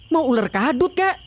mau ular kadut kak